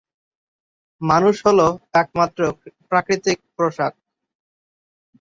মানুষ হলো একমাত্র প্রাকৃতিক পোষক।